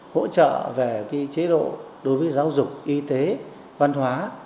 hỗ trợ về chế độ đối với giáo dục y tế văn hóa